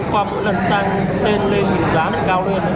qua mỗi lần sang tên lên thì giá lại cao hơn